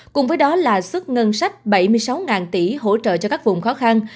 cùng với đó là xuất ngân sách bảy mươi sáu tỷ hỗ trợ cho các vùng khó khăn